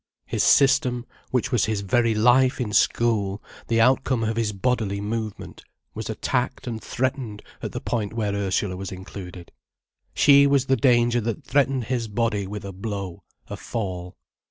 His system, which was his very life in school, the outcome of his bodily movement, was attacked and threatened at the point where Ursula was included. She was the danger that threatened his body with a blow, a fall.